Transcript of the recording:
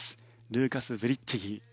ルーカス・ブリッチギー。